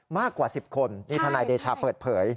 มากกว่า๑๐คนนี่ทนายเดชาเปิดเผย